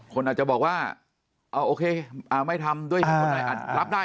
คนอาจจะบอกว่าโอเคไม่ทำรับได้